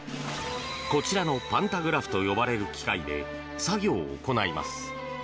こちらのパンタグラフと呼ばれる機械で作業を行います。